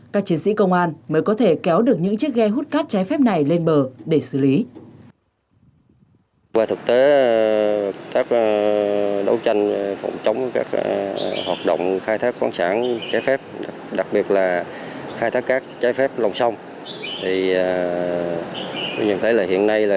các chiến sĩ công an mới có thể kéo được những chiếc ghe hút cát trái phép này lên bờ để xử lý